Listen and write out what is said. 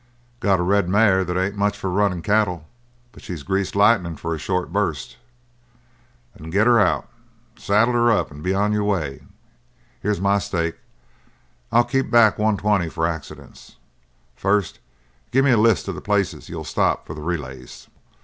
"Got a red mare that ain't much for runnin' cattle, but she's greased lightnin' for a short bust." "Then get her out. Saddle her up, and be on your way. Here's my stake I'll keep back one twenty for accidents. First gimme a list of the places you'll stop for the relays."